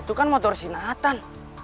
itu kan motor si nathan